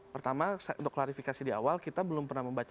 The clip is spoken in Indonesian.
pertama untuk klarifikasi di awal kita belum pernah membaca